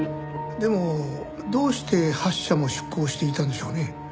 でもどうして８社も出向していたんでしょうね？